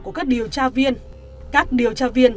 của các điều tra viên các điều tra viên